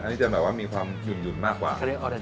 อันนี้จะแบบว่ามีความหยุ่นมากกว่า